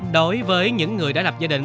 đối với những người đã lập gia đình